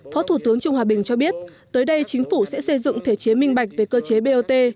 phó thủ tướng trung hòa bình cho biết tới đây chính phủ sẽ xây dựng thể chế minh bạch về cơ chế bot